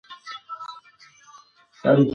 هیلې په کړکۍ کې ولاړې ونې ته په حسرت وکتل.